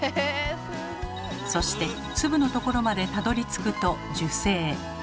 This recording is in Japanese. そして粒のところまでたどりつくと受精。